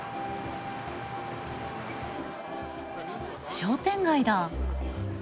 商店街だ。